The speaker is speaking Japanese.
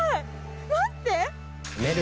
待って！